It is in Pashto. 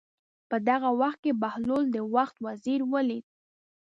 په دغه وخت کې بهلول د وخت وزیر ولید.